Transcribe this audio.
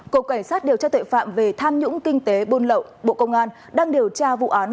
cộng cảnh sát điều tra tội phạm về tham nhũng kinh tế buôn lậu bộ công an đang điều tra vụ án